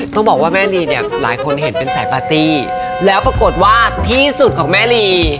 ต้องบอกว่าแม่ลีเนี่ยหลายคนเห็นเป็นสายปาร์ตี้แล้วปรากฏว่าที่สุดของแม่ลี